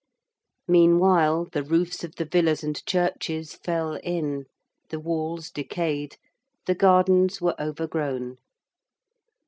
Meanwhile the roofs of the villas and churches fell in, the walls decayed, the gardens were overgrown.